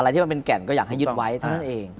ที่มันเป็นแก่นก็อยากให้ยึดไว้เท่านั้นเอง